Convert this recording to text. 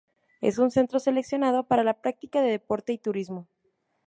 Es un centro seleccionado para la práctica de deportes y turismo.